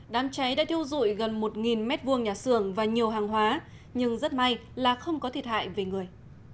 đám cháy đã thiêu dụi gần một m hai nhà xưởng và nhiều hàng hóa nhưng rất may là không có thiệt hại về người